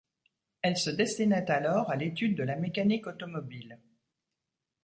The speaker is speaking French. Elle se destinait alors à l’étude de la mécanique automobile.